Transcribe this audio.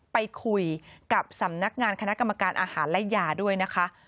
ไปคุยกับสำนักงานคณะกรรมการอาหารและยาด้วยนะคะ